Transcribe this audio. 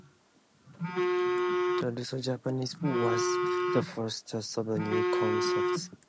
The Russo-Japanese War was the first test of the new concepts.